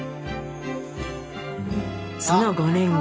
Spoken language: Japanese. その５年後。